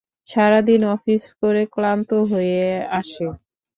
সারাদিন অফিস করে ক্লান্ত হয়ে আসে।